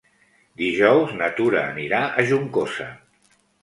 Dijous na Tura anirà a Juncosa.